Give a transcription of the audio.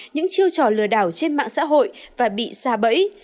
những chiêu trò lừa đảo trên mạng xã hội và bị xa bẫy